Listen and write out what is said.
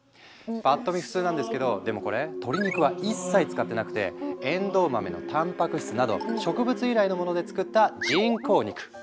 パッと見普通なんですけどでもこれ鶏肉は一切使ってなくてえんどう豆のたんぱく質など植物由来のもので作った人工肉。